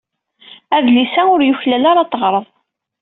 Adlis-a ur yuklal ad t-teɣreḍ.